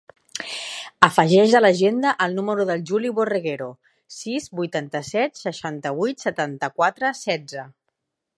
Afegeix a l'agenda el número del Juli Borreguero: sis, vuitanta-set, seixanta-vuit, setanta-quatre, setze.